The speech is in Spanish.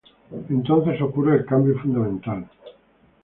Entonces ocurre el cambio fundamental.